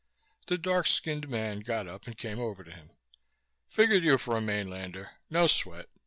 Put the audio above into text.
The dark skinned man got up and came over to him. "Figured you for a mainlander. No sweat.